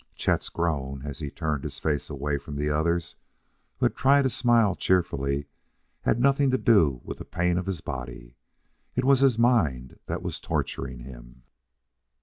Chet's groan, as he turned his face away from the others who had tried to smile cheerfully, had nothing to do with the pain of his body. It was his mind that was torturing him.